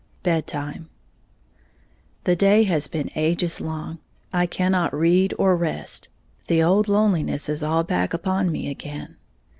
Bed time. The day has been ages long, I cannot read or rest, the old loneliness is all back upon me again.